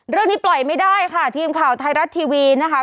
เรื่องนี้ปล่อยไม่ได้ค่ะทีมข่าวไทยรัฐทีวีนะคะ